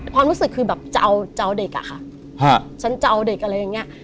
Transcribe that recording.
ความรู้สึกคือแบบจะเอาเด็กอะค่ะฉันจะเอาเด็กอะไรอย่างนี้